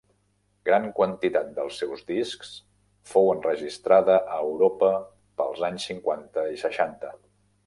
Gran quantitat dels seus discs fou enregistrada a Europa pels anys cinquanta i seixanta.